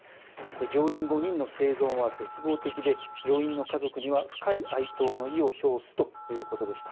乗員５人の生存は絶望的で乗員の家族には深い哀悼の意を表すということでした。